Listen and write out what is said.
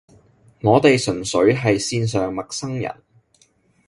我哋純粹係線上陌生人